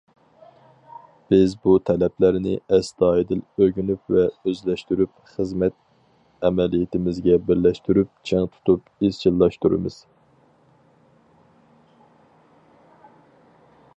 بىز بۇ تەلەپلەرنى ئەستايىدىل ئۆگىنىپ ۋە ئۆزلەشتۈرۈپ، خىزمەت ئەمەلىيىتىمىزگە بىرلەشتۈرۈپ، چىڭ تۇتۇپ ئىزچىللاشتۇرىمىز.